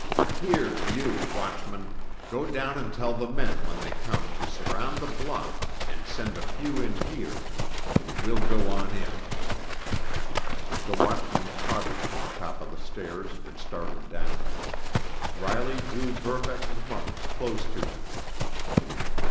Here, you, watchman, go down and tell the men, when they come, to surround the block, and send a few in here. We'll go on in." The watchman tottered to the top of the stairs and started down. Riley drew Verbeck and Muggs close to him.